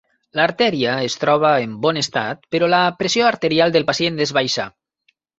L'artèria es troba en bon estat, però la pressió arterial del pacient és baixa.